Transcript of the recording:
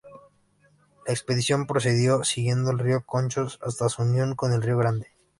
La expedición procedió siguiendo el río Conchos hasta su unión con el río Grande.